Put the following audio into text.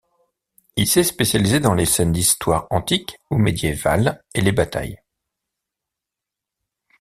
Il s'est spécialisé dans les scènes d'histoire antique ou médiévale et les batailles.